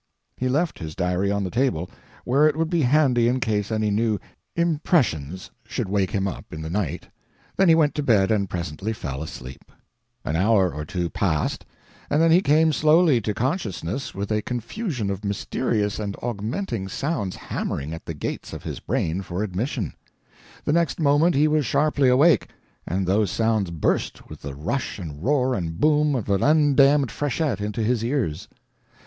He left his diary on the table, where it would be handy in case any new "impressions" should wake him up in the night, then he went to bed and presently fell asleep. An hour or two passed, and then he came slowly to consciousness with a confusion of mysterious and augmenting sounds hammering at the gates of his brain for admission; the next moment he was sharply awake, and those sounds burst with the rush and roar and boom of an undammed freshet into his ears.